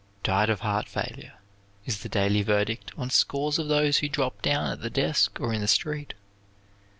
"Died of heart failure" is the daily verdict on scores of those who drop down at the desk or in the street.